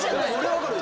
分かる。